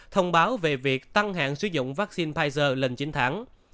thông báo về việc tăng hạn sử dụng vaccine pfizer lên chín tháng